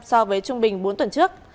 so với trung bình bốn tuần trước